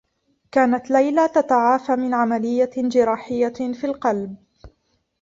كانت ليلى تتعافى من عمليّة جراجيّة في القلب.